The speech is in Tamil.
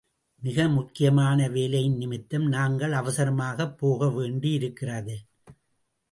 மிக முக்கியமான வேலையின் நிமித்தம் நாங்கள் அவசரமாகப் போக வேண்டியிருக்கிறது.